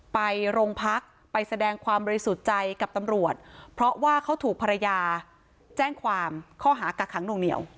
ไปโรงพักไปแสดงความบริสุทธิ์ใจกับตำรวจเพราะว่าเขาถูกภรรยาแจ้งความข้อหากักขังหน่วงเหนียว